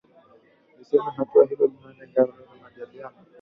Limesema hatua hiyo ina lengo la kutengeneza mazingira ya majadiliano.